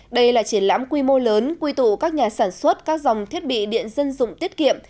đây là triển lãm quy mô lớn quy tụ các nhà sản xuất các dòng thiết bị điện dân dụng tiết kiệm